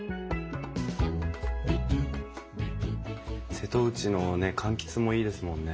瀬戸内のねかんきつもいいですもんね。